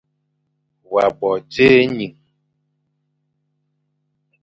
Wa bo dzé ening.